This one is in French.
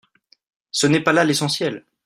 Ce n’est pas là l’essentiel